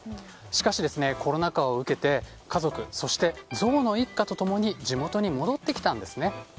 しかし、コロナ禍を受けて家族そしてゾウの一家と共に地元に戻ってきたんですね。